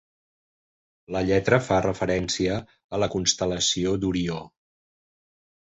La lletra fa referència a la constel·lació d'Orió.